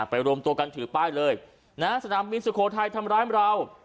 รวมตัวกันถือป้ายเลยนะฮะสนามบินสุโขทัยทำร้ายเรา